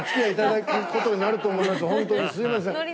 本当にすいません。